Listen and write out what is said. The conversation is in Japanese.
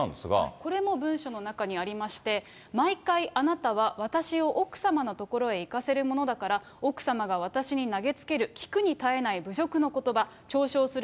これも文書の中にありまして、毎回、あなたは私を奥様の所へ行かせるものだから、奥様が私に投げつける、聞くに堪えない侮辱のことば、ちょう笑する